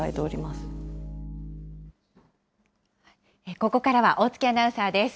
ここからは大槻アナウンサーです。